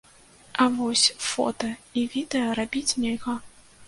А вось фота і відэа рабіць нельга.